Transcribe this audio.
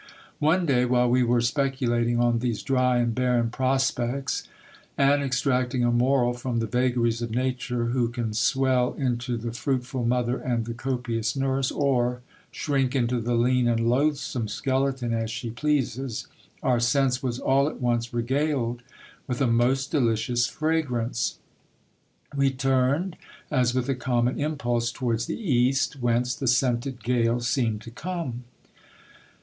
One lay, while we were speculating on these dry and barren prospects, and extract ng a moral from the vagaries of nature, who can swell into the fruitful mother uid the copious nurse, or shrink into the lean and loathsome . skeleton as she ^leases, our sense was all at once regaled with a most delicious fragrance. We umed as with a common impulse towards the east, whence the scented gale 1 82 GIL BLAS. seemed to come.